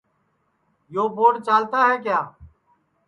یو بوڈ چالتا ہے کیا